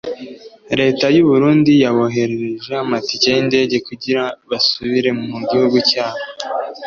leta y’u Burundi yaboherereje amatike y’indege kugira basubire mu gihugu cyabo